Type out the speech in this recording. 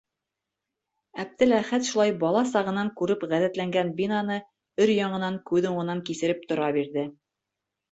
Әптеләхәт шулай бала сағынан күреп ғәҙәтләнгән бинаны өр-яңынан күҙ уңынан кисереп тора бирҙе.